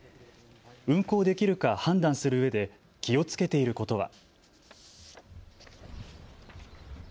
運航できるか判断するうえで気をつけていることは。